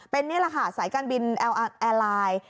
เป็นนี่แหละค่ะสายการบินแอร์ไลน์